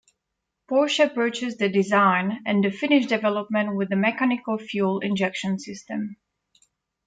Porsche purchased the design and the finished development with a mechanical fuel injection system.